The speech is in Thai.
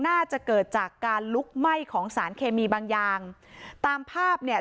น่าจะเกิดจากการลุกไหม้ของสารเคมีบางอย่างตามภาพเนี่ย